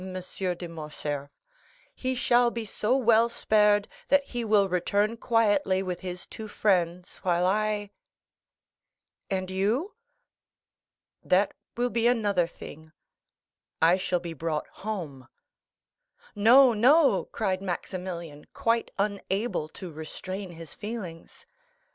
de Morcerf; he shall be so well spared, that he will return quietly with his two friends, while I——" "And you?" "That will be another thing; I shall be brought home." "No, no," cried Maximilian, quite unable to restrain his feelings.